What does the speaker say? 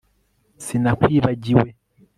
Sinakwibagiwe